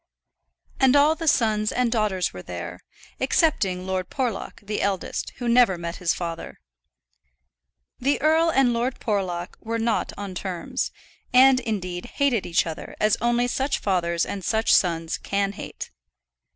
And all the sons and daughters were there, excepting Lord Porlock, the eldest, who never met his father. The earl and Lord Porlock were not on terms, and indeed hated each other as only such fathers and such sons can hate.